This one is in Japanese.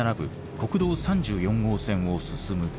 国道３４号線を進むと。